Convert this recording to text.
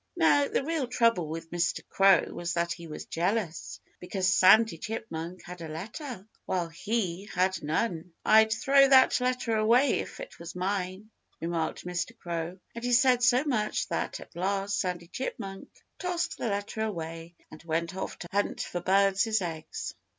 Now, the real trouble with Mr. Crow was that he was jealous because Sandy Chipmunk had a letter, while he had none. "I'd throw that letter away, if it was mine," remarked Mr. Crow. And he said so much that at last Sandy Chipmunk tossed the letter away and went off to hunt for birds' eggs.